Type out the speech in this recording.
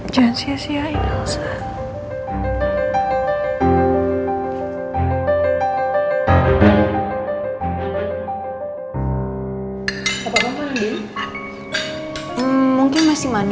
tom sedih juga kan